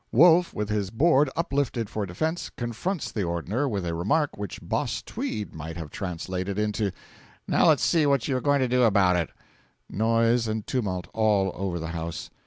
Wolf, with his board uplifted for defence, confronts the Ordner with a remark which Boss Tweed might have translated into 'Now let's see what you are going to do about it!' (Noise and tumult all over the House.)